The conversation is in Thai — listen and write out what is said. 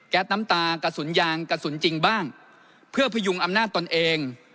น้ำตากระสุนยางกระสุนจริงบ้างเพื่อพยุงอำนาจตนเอง